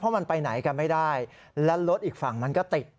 มันไปไหนกันไม่ได้และรถอีกฝั่งมันก็ติด